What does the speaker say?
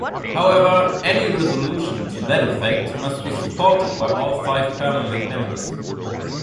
However, any resolution to that effect must be supported by all five permanent members.